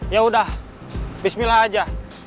yaudah bismillah aja